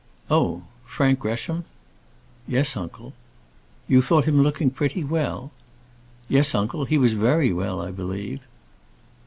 "Oh! Frank Gresham." "Yes, uncle." "You thought him looking pretty well?" "Yes, uncle; he was very well, I believe."